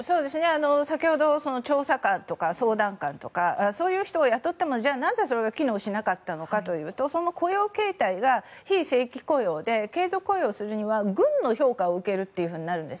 先ほど、調査官とか相談官とかそういう人を雇ってもなぜそれが機能しなかったかというとその雇用形態が非正規雇用で継続雇用するには軍の評価を受けるとなるんです。